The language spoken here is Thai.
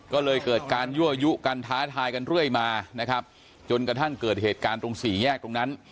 ก็เลยเกิดการยั่วยุกันท้าทายกันเรื่อยมานะครับจนกระทั่งเกิดเหตุการณ์ตรงสี่แยกตรงนั้น